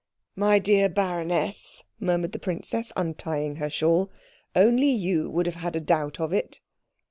"My dear baroness," murmured the princess, untying her shawl, "only you would have had a doubt of it."